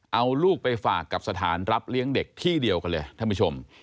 เอาลูกไปฝากกับสถานรับเลี้ยงเด็กที่เดียวกันเลยท่านผู้ชม